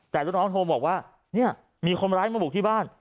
แต่ลูกน้องโทรบอกว่าเนี่ยมีคนร้ายมาบุกที่บ้าน